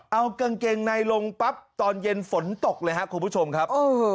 เอากางเกงในลงปั๊บตอนเย็นฝนตกเลยครับคุณผู้ชมครับ